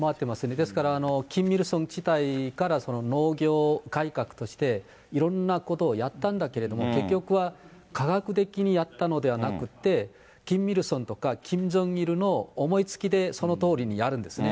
ですから、キム・イルソン時代から農業改革として、いろんなことをやったんだけれども、結局は、科学的にやったのではなくて、キム・イルソンとかキム・ジョンイルの思いつきでそのとおりにやるんですね。